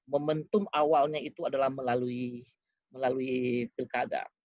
momentum awalnya itu adalah melalui pilkada